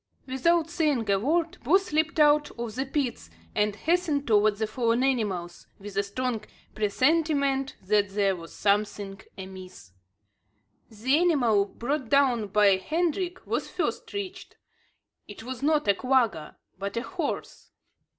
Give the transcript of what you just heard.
Without saying a word, both leaped out of the pits, and hastened towards the fallen animals, with a strong presentiment that there was something amiss. The animal brought down by Hendrik was first reached. It was not a quagga, but a horse!